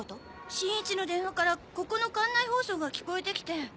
新一の電話からここの館内放送が聞こえてきて。